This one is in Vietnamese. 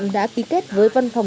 giấy tờ thì liên nó